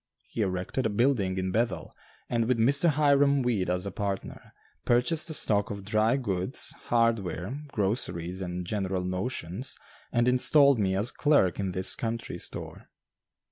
He erected a building in Bethel, and with Mr. Hiram Weed as a partner, purchased a stock of dry goods, hardware, groceries, and general notions and installed me as clerk in this country store.